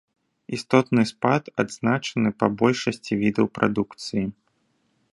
Істотны спад адзначаны па большасці відаў прадукцыі.